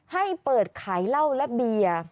ให้เปิดขายเหล้าและเบียร์